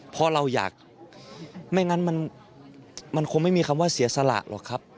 เพราะเราอยากไม่งั้นมันคงไม่มีคำว่าเสียสละหรอกครับ